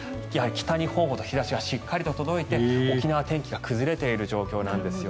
北日本ほど日差しがしっかりと届いて沖縄は天気が崩れている状況です。